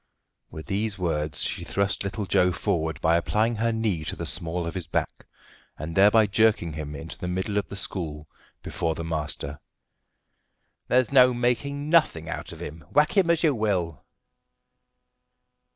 With these words she thrust little Joe forward by applying her knee to the small of his back, and thereby jerking him into the middle of the school before the master. "There's no making nothing out of him, whack him as you will."